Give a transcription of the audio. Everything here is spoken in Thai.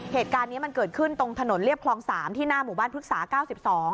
เหตุการณ์เนี้ยมันเกิดขึ้นตรงถนนเรียบคลองสามที่หน้าหมู่บ้านพฤกษาเก้าสิบสอง